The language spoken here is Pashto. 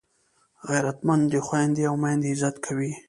غیرتمند خویندي او میندې عزت کوي